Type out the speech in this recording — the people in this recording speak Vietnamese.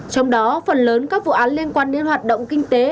trong đó phần lớn các vụ án liên quan đến hoạt động kinh tế